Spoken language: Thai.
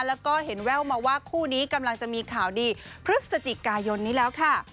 แล้วก็เห็นแว่วมาว่าคู่นี้กำลังจะมีข่าวดีพฤศจิกายนนี้แล้วค่ะ